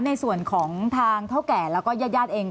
ในส่วนของทางเท่าแก่แล้วก็ญาติญาติเอง